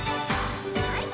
はい！